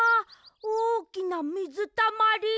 おおきなみずたまり。